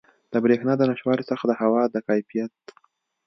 د بریښنا د نشتوالي څخه د هوا د کیفیت